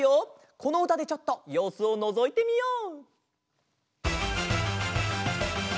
このうたでちょっとようすをのぞいてみよう！